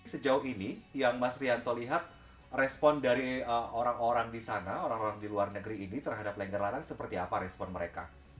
sejauh ini yang mas rianto lihat respon dari orang orang di sana orang orang di luar negeri ini terhadap lengger lanang seperti apa respon mereka